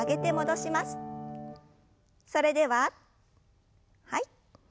それでははい。